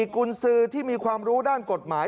กุญสือที่มีความรู้ด้านกฎหมาย